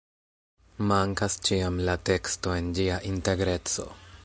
Mankas ĉiam la teksto en ĝia integreco.